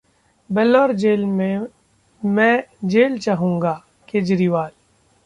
bell और jail में मैं जेल चाहूंगा: केजरीवाल